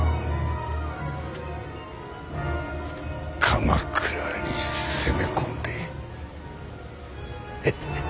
鎌倉に攻め込んでフフ。